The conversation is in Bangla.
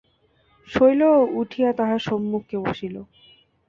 শৈলও উঠিয়া তাহার সন্মুখে বসিল।